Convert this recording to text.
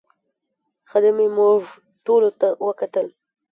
خدمې موږ ټولو ته وکتل.